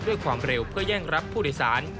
ด้วยความเร็วเพื่อแย่งรับผู้โดยสาร